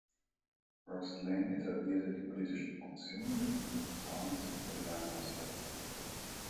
Roxelane etablierte die politischen Funktionen der führenden Frauen des imperialen Haushalts.